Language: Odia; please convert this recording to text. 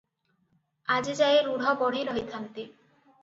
ଆଜିଯାଏ ରୂଢ଼ ବଢ଼ି ରହିଥାନ୍ତା